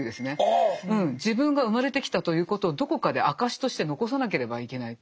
自分が生まれてきたということをどこかで証しとして残さなければいけない。